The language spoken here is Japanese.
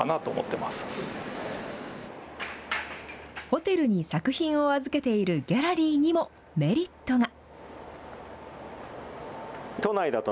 ホテルに作品を預けているギャラリーにもメリットが。